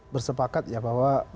bersepakat ya bahwa